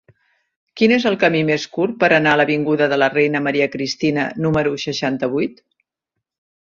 Quin és el camí més curt per anar a l'avinguda de la Reina Maria Cristina número seixanta-vuit?